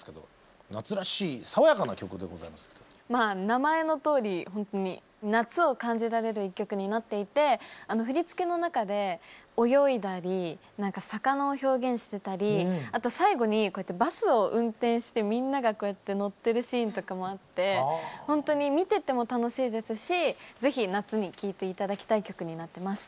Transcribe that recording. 名前のとおりほんとに夏を感じられる１曲になっていて振り付けの中で泳いだり何か魚を表現してたりあと最後にこうやってバスを運転してみんながこうやって乗ってるシーンとかもあってほんとに見てても楽しいですし是非夏に聴いて頂きたい曲になってます。